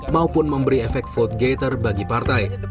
maupun memberi efek vote gathere bagi partai